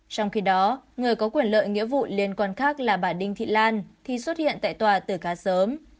trong khi đó người có quyền lợi nghĩa vụ liên quan khác là bà đinh thị lan thì xuất hiện tại tòa từ khá sớm